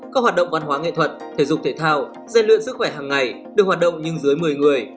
các hoạt động văn hóa nghệ thuật thể dục thể thao gian luyện sức khỏe hàng ngày được hoạt động nhưng dưới một mươi người